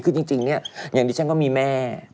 คือจริงอย่างนี้ฉันก็มีแม่